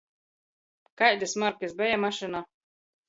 Kaidys markys beja mašyna?